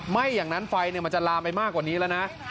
ไฟเนี้ยมันจะลาไหม่มากกว่านี้แล้วนะ